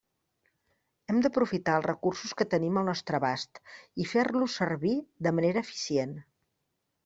Hem d'aprofitar els recursos que tenim al nostre abast, i fer-los servir de manera eficient.